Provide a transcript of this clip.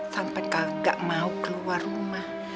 sampai kagak mau keluar rumah